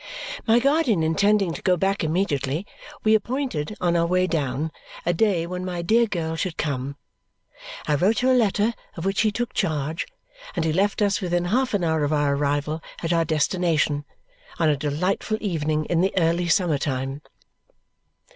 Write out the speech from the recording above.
My guardian intending to go back immediately, we appointed, on our way down, a day when my dear girl should come. I wrote her a letter, of which he took charge, and he left us within half an hour of our arrival at our destination, on a delightful evening in the early summer time.